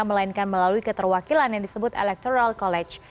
melainkan melalui keterwakilan yang disebut electoral college